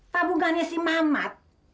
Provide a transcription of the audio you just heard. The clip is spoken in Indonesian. tabungannya si manap